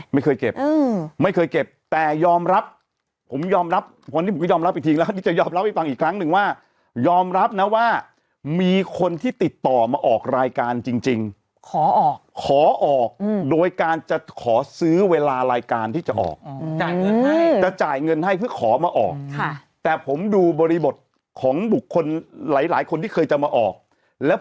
ไม่เคยเก็บไม่เคยเก็บแต่ยอมรับผมยอมรับวันนี้ผมก็ยอมรับอีกทีแล้วคราวนี้จะยอมเล่าให้ฟังอีกครั้งหนึ่งว่ายอมรับนะว่ามีคนที่ติดต่อมาออกรายการจริงขอออกขอออกโดยการจะขอซื้อเวลารายการที่จะออกจ่ายเงินให้จะจ่ายเงินให้เพื่อขอมาออกค่ะแต่ผมดูบริบทของบุคคลหลายหลายคนที่เคยจะมาออกแล้ว